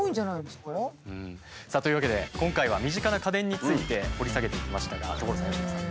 さあというわけで今回は身近な家電について掘り下げていきましたが所さん佳乃さん